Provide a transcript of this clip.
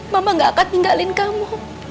mama gak akan tinggalin kamu